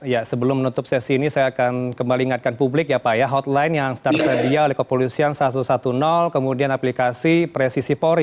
ya sebelum menutup sesi ini saya akan kembali ingatkan publik ya pak ya hotline yang tersedia oleh kepolisian satu ratus sepuluh kemudian aplikasi presisi polri